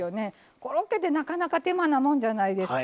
コロッケってなかなか手間なもんじゃないですか。